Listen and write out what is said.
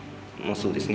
そうですね。